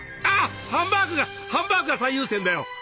あっハンバーグがハンバーグが最優先だよ。